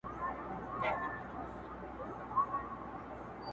که هر ځوان لږ وخت هم کتاب ته ورکړي نو لوی بدلون رامنځته کيږي -